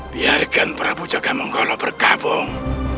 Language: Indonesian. biarkan prabu jaga mangkolo berkabung